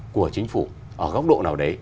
của chính phủ ở góc độ nào đấy